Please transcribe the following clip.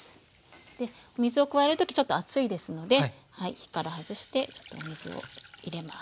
でお水を加える時ちょっと熱いですので火から外してちょっとお水を入れます。